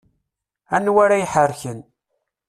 Anwa ara iḥerken.